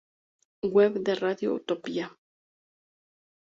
Web de Radio Utopía